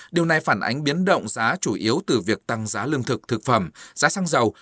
điều này phản ánh biến động giá chủ yếu từ việc tăng giá lương thực thực phẩm giá xăng dầu